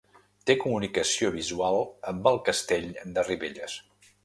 Té comunicació visual amb el castell de Ribelles.